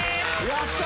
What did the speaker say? やった！